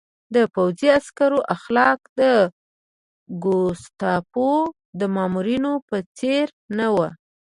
د پوځي عسکرو اخلاق د ګوستاپو د مامورینو په څېر نه وو